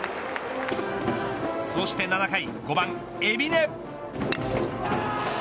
そして７回、５番、海老根。